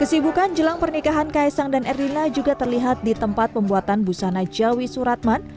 kesibukan jelang pernikahan kaisang dan erlina juga terlihat di tempat pembuatan busana jawi suratman